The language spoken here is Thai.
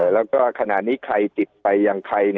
แล้วก็ขณะนี้ใครติดไปอย่างใคร